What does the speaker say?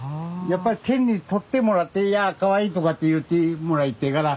やっぱり手に取ってもらっていやかわいいとかって言ってもらいてえから。